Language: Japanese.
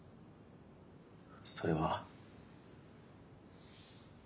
それは。